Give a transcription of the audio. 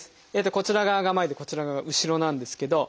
こちら側が前でこちら側が後ろなんですけど。